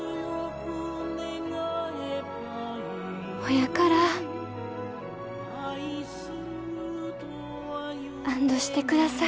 ほやから安どしてください